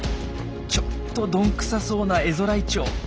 ちょっとどんくさそうなエゾライチョウ。